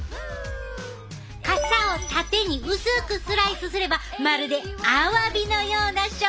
傘を縦に薄くスライスすればまるでアワビのような食感に。